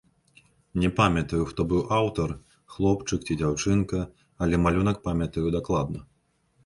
Не памятаю, хто быў аўтар, хлопчык ці дзяўчынка, але малюнак памятаю дакладна.